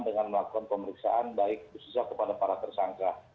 dengan melakukan pemeriksaan baik khususnya kepada para tersangka